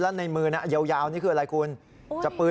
แล้วในมือแยาวนี่คืออะไรคุณจ้ะลรีนะคะ